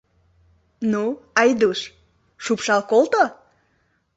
Ну, Айдуш, шупшал колто!